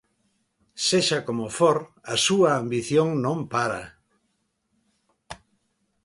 Sexa como for, a súa ambición no para.